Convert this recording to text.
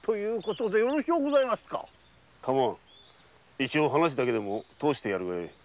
一応話だけでもとおしてやるがよい。